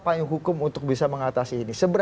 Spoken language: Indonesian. payung hukum untuk bisa mengatasi ini